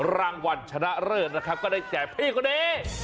รางวัลชนะเลิศนะครับก็ได้แจกพี่คนนี้